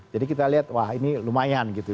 jadi kita lihat wah ini lumayan gitu